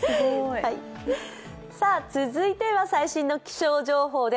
続いては最新の気象情報です。